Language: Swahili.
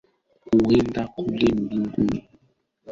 tangaza uamuzi huo katika kikao cha dharura cha baraza la mawaziri